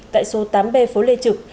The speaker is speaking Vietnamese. tại số tám b phố lê trực